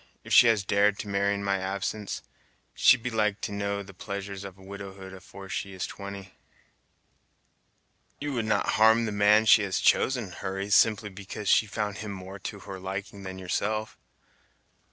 If she has dared to marry in my absence, she'd be like to know the pleasures of widowhood afore she is twenty!" "You would not harm the man she has chosen, Hurry, simply because she found him more to her liking than yourself!"